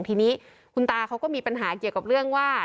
ทีนี้คุณตาเขาก็มีปัญหาเกี่ยวกับเรื่องว่า